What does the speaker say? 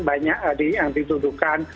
banyak yang ditudukan